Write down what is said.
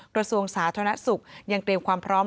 กระทรวงสาธารณสุขยังเตรียมความพร้อม